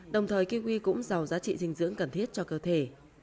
đồng thời kiwi cũng giàu giá trị dinh dưỡng cần thiết cho cơ thể